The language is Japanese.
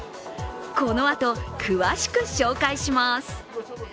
このあと、詳しく紹介します。